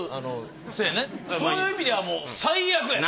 せやなそういう意味ではもう最悪やな。